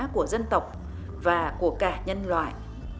của dân tộc và của cả nhân loại